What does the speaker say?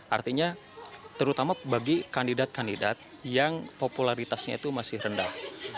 artinya terutama bagi kandidat kandidat yang popularitasnya itu masih rendah